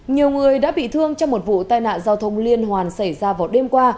nhiều người đã bị thương trong một vụ tai nạn giao thông liên hoàn xảy ra vào đêm qua